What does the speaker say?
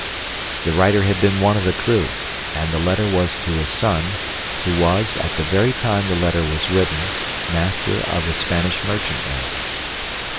The writer had been one of the crew, and the letter was to his son, who was, at the very time the letter was written, master of a Spanish merchantman.